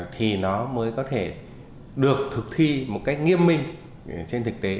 thì nó mới có thể được thực thi một cách nghiêm minh trên thực tế